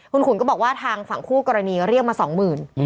คุณขุนก็บอกว่าทางฝั่งคู่กรณีเรียกมาสองหมื่น